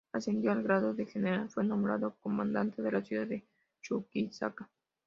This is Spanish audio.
Ascendido al grado de general, fue nombrado comandante de la ciudad de Chuquisaca.